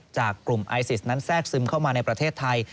จากกลุ่มไอซิสนั้นแทรกซึมเข้ามาในประเทศไทย